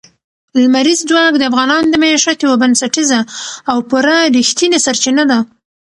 لمریز ځواک د افغانانو د معیشت یوه بنسټیزه او پوره رښتینې سرچینه ده.